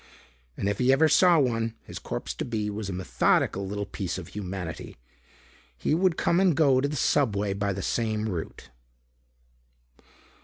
And if he ever saw one, his corpse to be was a methodical little piece of humanity. He would come and go to the subway by the same route.